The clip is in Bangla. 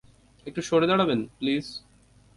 একটু সরে দাড়াবেন, প্লিজ?